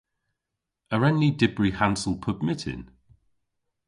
A wren ni dybri hansel pub myttin?